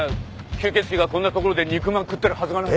吸血鬼がこんな所で肉まん食ってるはずがない。